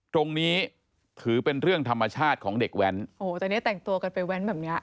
ตรงนี้ถือเป็นเรื่องธรรมชาติของเด็กแว้นโอ้โหตอนนี้แต่งตัวกันไปแว้นแบบเนี้ย